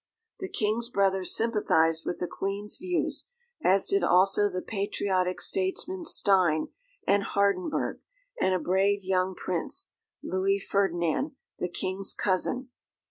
The King's brothers sympathised with the Queen's views, as did also the patriotic statesmen Stein and Hardenburg, and a brave young prince, Louis Ferdinand, the King's cousin.